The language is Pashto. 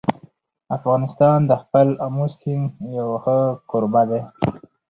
افغانستان د خپل آمو سیند یو ښه کوربه دی.